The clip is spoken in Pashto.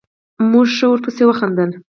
موږ ښه ورپسې وخندل.